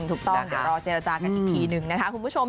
ถูกต้องเดี๋ยวรอเจรจากันอีกทีหนึ่งนะคะคุณผู้ชม